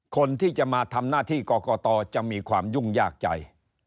คนที่จะมาทำหน้าที่กรกตจะมีความยุ่งยากใจ